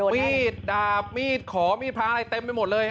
มีดดาบมีดขอมีดพระอะไรเต็มไปหมดเลย